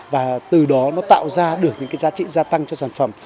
và từ đó nó tạo ra được những cái giá trị gia tăng cho sản phẩm